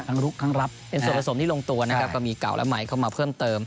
ลุกทั้งรับเป็นส่วนผสมที่ลงตัวนะครับก็มีเก่าและใหม่เข้ามาเพิ่มเติม